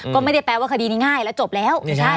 ก็ไม่ได้แปลว่าคดีนี้ง่ายแล้วจบแล้ว